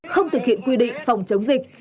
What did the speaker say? không thực hiện quy định phòng chống dịch